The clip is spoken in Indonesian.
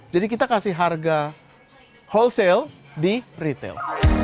jadi kita kasih harga wholesale di retail